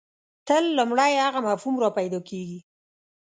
تل لومړی هغه مفهوم راپیدا کېږي.